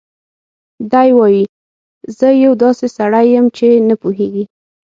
دی وايي: "زه یو داسې سړی یم چې نه پوهېږي